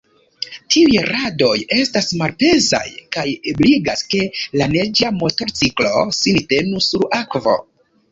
Tiuj radoj estas malpezaj kaj ebligas, ke la neĝa motorciklo sin tenu sur akvo.